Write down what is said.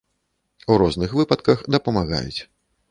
У розных выпадках дапамагаюць.